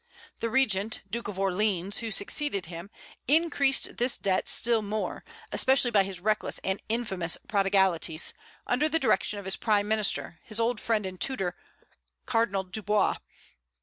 The regent, Duke of Orleans, who succeeded him, increased this debt still more, especially by his reckless and infamous prodigalities, under the direction of his prime minister, his old friend and tutor, Cardinal Dubois.